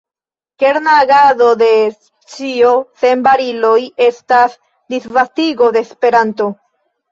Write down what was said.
Kerna agado de “Scio Sen Bariloj” estas disvastigo de Esperanto.